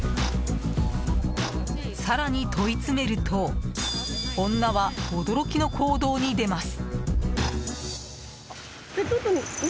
更に問い詰めると女は驚きの行動に出ます。